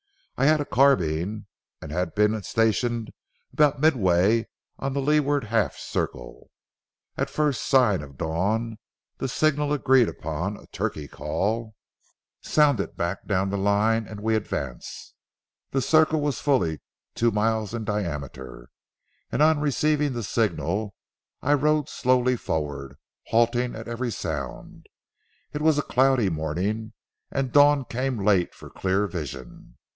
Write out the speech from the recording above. I had a carbine, and had been stationed about midway of the leeward half circle. At the first sign of dawn, the signal agreed upon, a turkey call, sounded back down the line, and we advanced. The circle was fully two miles in diameter, and on receiving the signal I rode slowly forward, halting at every sound. It was a cloudy morning and dawn came late for clear vision.